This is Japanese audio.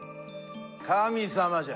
神様じゃ。